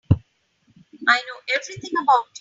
I know everything about you.